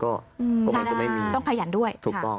ก็มันจะไม่มีถูกต้องนะคะต้องขยันด้วย